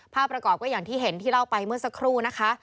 ประกอบก็อย่างที่เห็นที่เล่าไปเมื่อสักครู่นะคะ